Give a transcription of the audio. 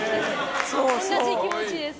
同じ気持ちです。